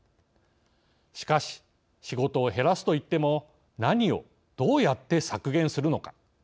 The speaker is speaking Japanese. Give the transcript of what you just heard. しかし、仕事を減らすといっても何をどうやって削減するのか。